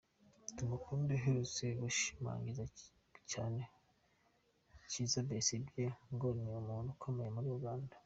Tumukunde aherutse gushimagiza cyane Kiiza Besigye ngo ni umuntu ukomeye muri Uganda.